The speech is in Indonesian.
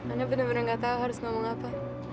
aku bener bener gak tau harus ngomong apa